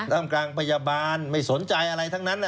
ทำกลางพยาบาลไม่สนใจอะไรทั้งนั้น